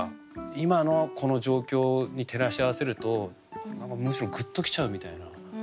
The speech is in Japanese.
今のこの状況に照らし合わせるとむしろグッと来ちゃうみたいな。